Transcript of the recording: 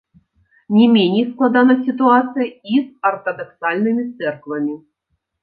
Не меней складана сітуацыя і з артадаксальнымі цэрквамі.